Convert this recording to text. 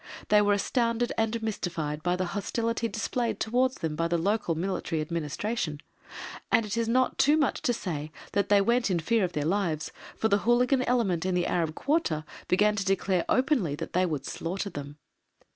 They were astounded and mystified by the hostility displayed towards them by the local Military Administration, and it is not too much to say that they went in fear of their lives, for the hooligan element in the Arab quarter began to declare openly that they would slaughter them.